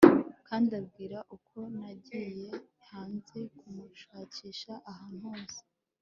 kandi ambwira uko nagiye hanze kumushakisha ahantu hose ..